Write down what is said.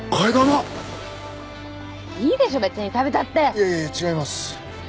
いやいや違います。